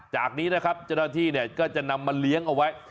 จากนี้นะครับเจ้าหน้าที่เนี่ยก็จะนำมาเลี้ยงเอาไว้